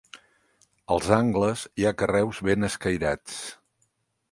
Als angles hi ha carreus ben escairats.